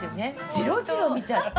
ジロジロ見ちゃって。